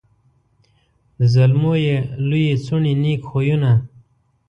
د زلمو یې لويي څوڼي نېک خویونه